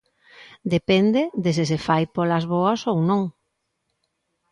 Depende de se se fai polas boas ou non.